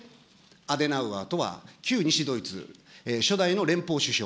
アデナウアーとは旧西ドイツ、初代の連邦首相。